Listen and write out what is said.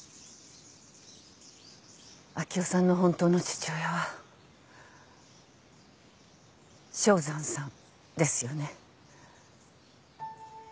明生さんの本当の父親は正山さんですよね。